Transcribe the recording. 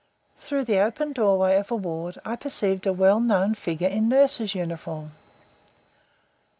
Through the open doorway of a ward I perceived a well known figure in nurse's uniform.